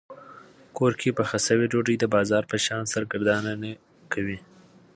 کور کې پخه شوې ډوډۍ د بازار په شان سرګردان نه کوي.